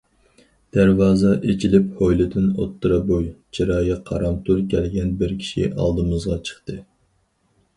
دەرۋازا ئېچىلىپ ھويلىدىن ئوتتۇرا بوي، چىرايى قارامتۇل كەلگەن بىر كىشى ئالدىمىزغا چىقتى.